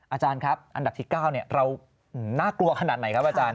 อาจารย์ครับอันดับที่๙เราน่ากลัวขนาดไหนครับอาจารย